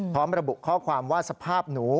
พร้อมระบุข้อความว่าสภาพหนู